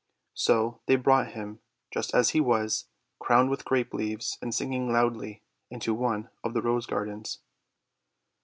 So they brought him, just as he was, crowned with grape leaves and singing loudly, into one of the Rose Gardens.